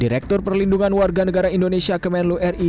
direktur perlindungan warganegara indonesia kemenlu ri